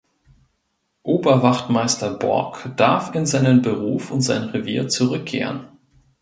Oberwachtmeister Borck darf in seinen Beruf und sein Revier zurückkehren.